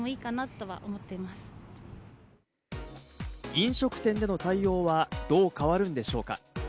飲食店での対応は、どう変わるんでしょうか？